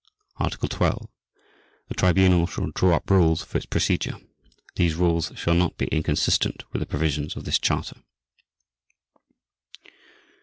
Article 13. The Tribunal shall draw up rules for its procedure. These rules shall not be inconsistent with the provisions of this Charter.